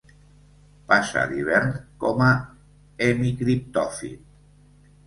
Passa l'hivern com a hemicriptòfit.